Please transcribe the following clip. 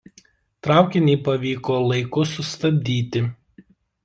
Traukinį pavyko laiku sustabdyti.